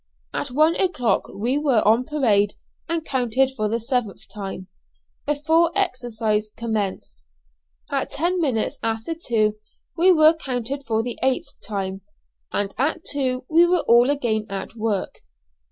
At one o'clock we were on parade and counted for the seventh time, before exercise commenced. At ten minutes after two we were counted for the eighth time, and at two we were all again at work.